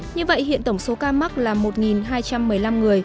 như vậy hiện tổng số ca mắc là một hai trăm một mươi năm người